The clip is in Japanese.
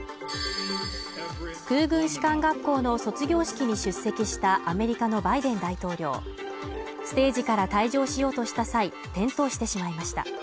空軍士官学校の卒業式に出席したアメリカのバイデン大統領ステージから退場しようとした際、転倒してしまいました。